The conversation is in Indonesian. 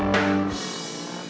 adik adiknya kak mana